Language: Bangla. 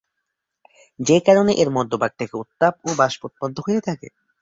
যে কারণে এর মধ্যভাগ থেকে উত্তাপ ও বাষ্প উৎপন্ন হয়ে থাকে।